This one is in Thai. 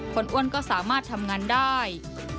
อ้วนก็สามารถทำงานได้